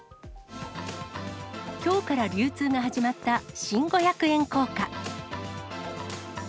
きょうから流通が始まった新五百円硬貨。